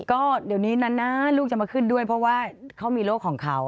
ก็เดี๋ยวนี้นานลูกจะมาขึ้นด้วยเพราะว่าเขามีโรคของเขา